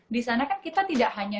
di sana kan kita tidak hanya